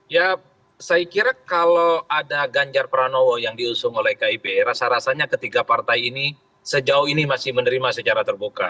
ya saya kira kalau ada ganjar pranowo yang diusung oleh kib rasa rasanya ketiga partai ini sejauh ini masih menerima secara terbuka